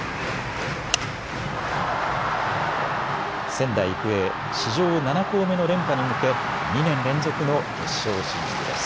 仙台育英、史上７校目の連覇に向け２年連続の決勝進出です。